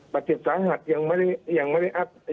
ประเทศสหรัฐยังไม่ได้รับรายงานนะครับว่า